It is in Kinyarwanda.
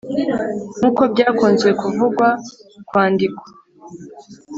nk'uko byakunze kuvugwa, kwandikwa